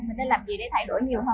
mình nên làm gì để thay đổi nhiều hơn